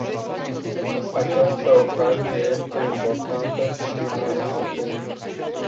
Această ocazie este importantă și din alt motiv.